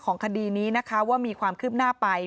ของคดีนี้ว่ามีความคืบหน้าไป